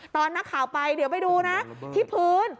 ตอนนักข่าวไปเดี๋ยวไปดูนะที่พื้น